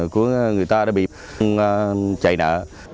của người ta đã bị chạy nở